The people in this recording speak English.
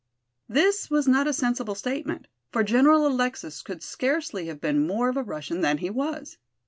This was not a sensible statement, for General Alexis could scarcely have been more of a Russian than he was.